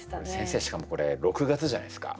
しかもこれ６月じゃないですか。